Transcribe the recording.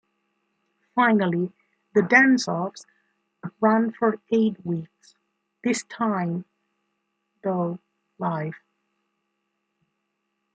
Finally, the dance-offs, ran for eight weeks, this time though live.